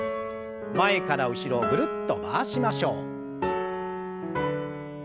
前から後ろぐるっと回しましょう。